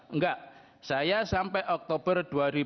enggak saya sampai oktober dua ribu tujuh belas